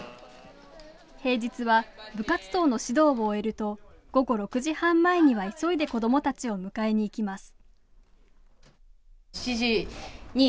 平日は部活動の指導を終えると午後６時半前には急いで子どもたちを迎えに行きます。